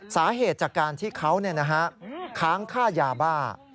สาเหตุจากการที่เขาค้างค่ายาบ้า